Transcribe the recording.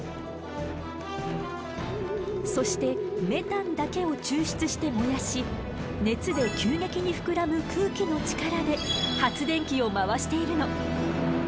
そしてメタンだけを抽出して燃やし熱で急激に膨らむ空気の力で発電機を回しているの。